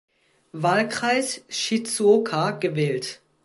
Wahlkreis Shizuoka gewählt.